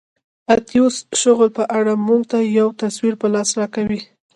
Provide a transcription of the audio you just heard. اتیوس شغل په اړه موږ ته یو تصویر په لاس راکوي.